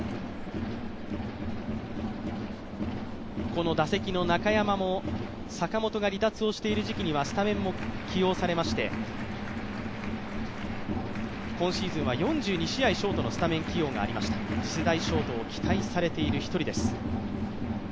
この打席の中山も坂本が離脱をしているときにはスタメンも起用されまして、今シーズンは４２試合、ショートのスタメン起用がありました次世代ショート期待されている一人です。